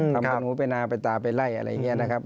ทำกับหนูไปนาไปตาไปไล่อะไรอย่างนี้นะครับ